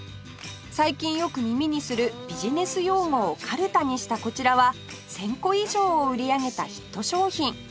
最近よく耳にするビジネス用語をかるたにしたこちらは１０００個以上を売り上げたヒット商品